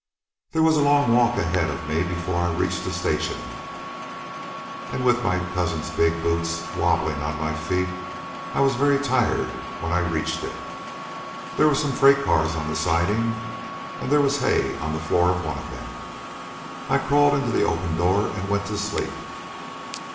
"There was a long walk ahead of me before I reached the station, and with my cousin's big boots wobbling on my feet I was very tired when I reached it. There were some freight cars on the siding, and there was hay on the floor of one of them. I crawled into the open door and went to sleep.